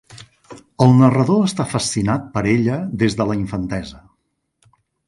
El narrador està fascinat per ella des de la infantesa.